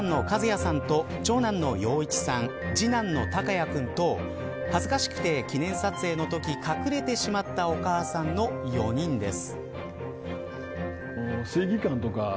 感謝状を受け取ったのはお父さんの一也さんと長男の鷹一さん次男の鳳也くんと恥ずかしくて、記念撮影のとき隠れてしまったお母さんの４人です。